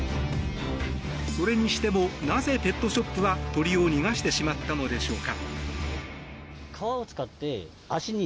それにしてもなぜペットショップは鳥を逃がしてしまったのでしょうか。